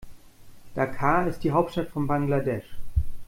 Dhaka ist die Hauptstadt von Bangladesch.